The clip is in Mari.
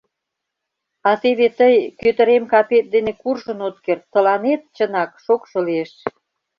А теве тый кӧтырем капет дене куржын от керт, тыланет, чынак, шокшо лиеш.